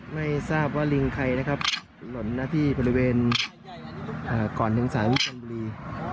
ไม่ทราบว่าลิงใครนะครับหล่นนะที่บริเวณก่อนถึงสารวิชนบุรี